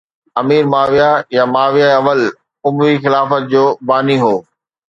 امير معاويه يا معاويه اول اموي خلافت جو باني هو